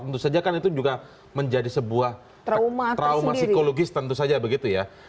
tentu saja kan itu juga menjadi sebuah trauma psikologis tentu saja begitu ya